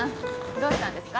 どうしたんですか？